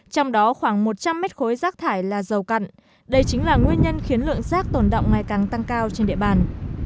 trong đó khoảng một trăm linh mét khối rác thải là dầu cặn đây chính là nguyên nhân khiến lượng rác tồn động ngày càng tăng cao trên địa bàn